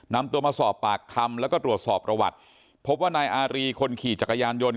นำตัวมาสอบปากคำแล้วก็ตรวจสอบประวัติพบว่านายอารีคนขี่จักรยานยนต์